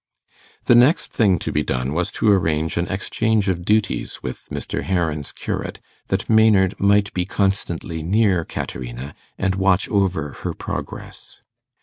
The next thing to be done was to arrange an exchange of duties with Mr. Heron's curate, that Maynard might be constantly near Caterina, and watch over her progress.